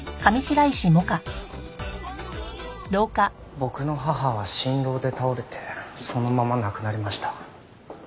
僕の母は心労で倒れてそのまま亡くなりました。